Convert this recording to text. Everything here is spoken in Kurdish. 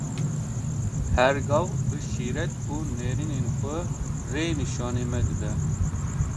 Her gav bi şîret û nêrînên xwe, rê nîşanî me dide.